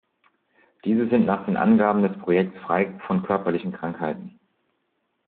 Diese sind nach den Angaben des Projektes frei von körperlichen Krankheiten.